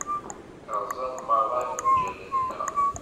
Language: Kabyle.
Rrẓen merra ifenǧalen-a.